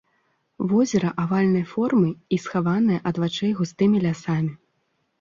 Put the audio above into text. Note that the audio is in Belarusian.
Возера авальнай формы і схаванае ад вачэй густымі лясамі.